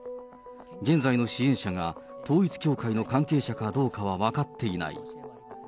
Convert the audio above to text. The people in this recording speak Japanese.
現在の支援者が、統一教会の関係者かどうかは分かっていない。